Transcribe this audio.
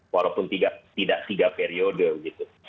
walaupun tidak tiga periode gitu